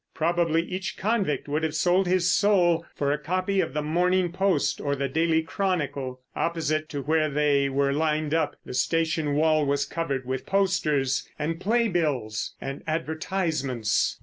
Probably each convict would have sold his soul for a copy of the Morning Post or the Daily Chronicle. Opposite to where they were lined up, the station wall was covered with posters and play bills and advertisements.